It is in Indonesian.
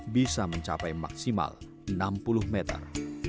bisa mencapai maksimal enam puluh meter